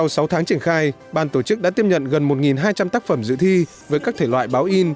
sau sáu tháng triển khai ban tổ chức đã tiếp nhận gần một hai trăm linh tác phẩm dự thi với các thể loại báo in